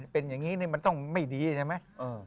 เป็นอย่างนี้มันต้องไม่ดีใช่ไหม